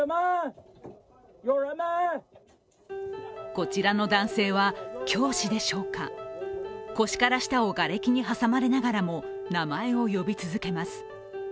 こちらの男性は教師でしょうか、腰から下をがれきに挟まれながらも名前を呼び続けます。